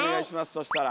そしたら。